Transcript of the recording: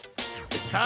さあ